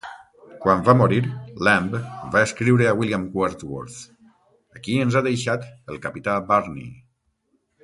Quan va morir, Lamb va escriure a William Wordsworth: Aquí ens ha deixat el capità Burney!